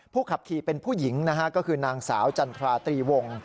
ขับขี่เป็นผู้หญิงนะฮะก็คือนางสาวจันทราตรีวง